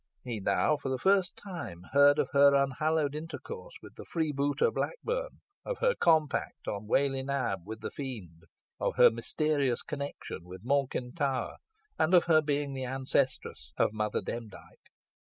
He now for the first time heard of her unhallowed intercourse with the freebooter Blackburn, of her compact on Whalley Nab with the fiend, of her mysterious connection with Malkin Tower, and of her being the ancestress of Mother Demdike.